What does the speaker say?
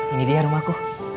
ini dia rumahku